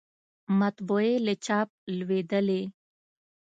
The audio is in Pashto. مطبعې له چاپ لویدلې